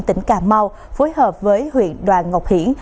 tỉnh cà mau phối hợp với huyện đoàn ngọc hiển